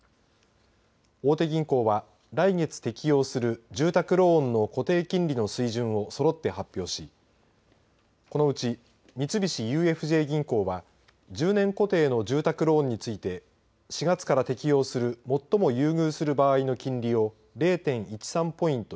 大手銀行は来月適用する住宅ローンの固定金利の水準をそろって発表しこのうち三菱ＵＦＪ銀行は１０年固定の住宅ローンについて４月から適用する最も優遇する場合の金利を０．１３ポイント